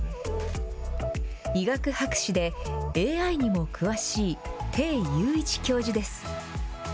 医学博士で、ＡＩにも詳しい、鄭雄一教授です。